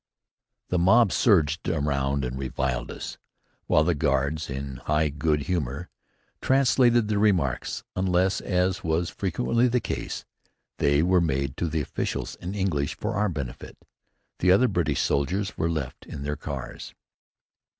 The mob surged around and reviled us, while the guards, in high good humour, translated their remarks, unless, as was frequently the case, they were made to the officials in English for our benefit. The other British soldiers were left in their cars.